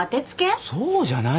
そうじゃないよ。